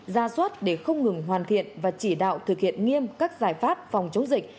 ra soát để không ngừng hoàn thiện và chỉ đạo thực hiện nghiêm các giải pháp phòng chống dịch